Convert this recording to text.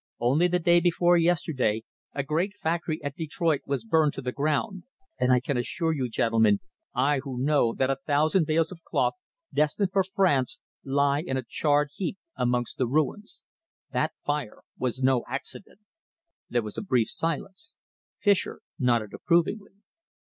Only the day before yesterday a great factory at Detroit was burned to the ground, and I can assure you, gentlemen, I who know, that a thousand bales of cloth, destined for France, lie in a charred, heap amongst the ruins. That fire was no accident." There was a brief silence. Fischer nodded approvingly.